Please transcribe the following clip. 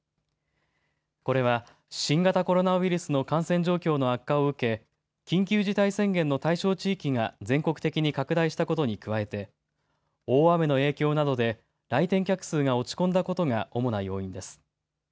これは新型コロナウイルスの感染状況の悪化を受け、緊急事態宣言の対象地域が全国的に拡大したことに加えて、大雨の影響などで、来店客数が落ち込んだことが主な要因です。